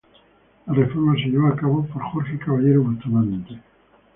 La reforma se llevó a cabo por Jorge Caballero Bustamante.